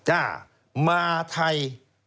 จ้ามาไทย